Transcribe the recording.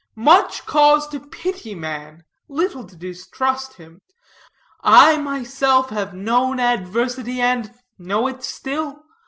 Much cause to pity man, little to distrust him. I myself have known adversity, and know it still.